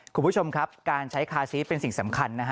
คุณผู้ชมครับการใช้คาซีสเป็นสิ่งสำคัญนะฮะ